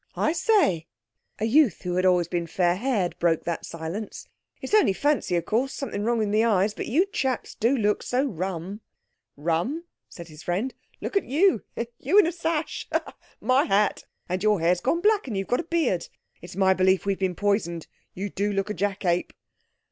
"I say," a youth who had always been fair haired broke that silence, "it's only fancy of course—something wrong with my eyes—but you chaps do look so rum." "Rum," said his friend. "Look at you. You in a sash! My hat! And your hair's gone black and you've got a beard. It's my belief we've been poisoned. You do look a jackape."